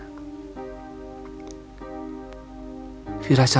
apakah ini semuanya kebetulan